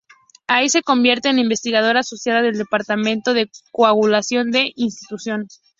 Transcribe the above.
Ahí se convierte en Investigadora Asociada del Departamento de Coagulación de esa institución.